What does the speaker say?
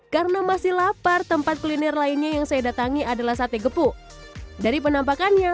karena masih lapar tempat kuliner lainnya yang saya datangi adalah sate gepuk dari penampakannya